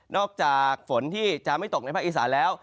อกจากฝนที่จะไม่ตกในภาคอีสานแล้ว